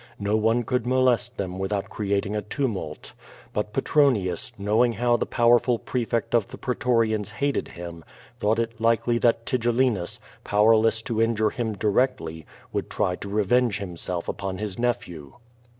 No one could molest them without creating a tu mult. But Petronius, knowing how the powerful prefect of the pretorians hated him, thought it likely that Tigellinus, powerless to injure him directly, would try to revenge himself upon his nephew.